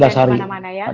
jangan kemana mana ya